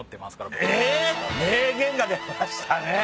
名言が出ましたね。